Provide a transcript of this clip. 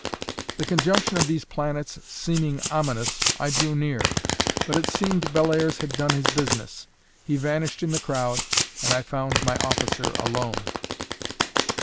The conjunction of these planets seeming ominous, I drew near; but it seemed Bellairs had done his business; he vanished in the crowd, and I found my officer alone.